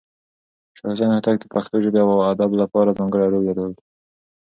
شاه حسين هوتک د پښتو ژبې او ادب لپاره ځانګړی رول درلود.